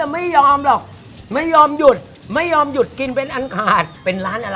ไปแล้วนะครับ